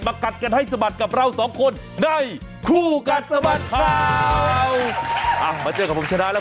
กัดกันให้สะบัดกับเราสองคนในคู่กัดสะบัดข่าวอ่ะมาเจอกับผมชนะแล้ว